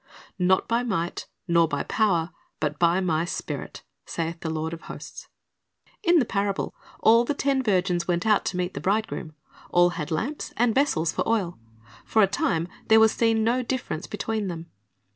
"Not by might, nor by power, but by My Spirit, saith the Lord of hosts." ^ In the parable, all the ten virgins went out to meet the bridegroom. All had lamps, and vessels for oil. For a time there was seen no difference between them.